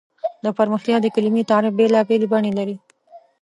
د پرمختیا د کلیمې تعریف بېلابېل بڼې لري.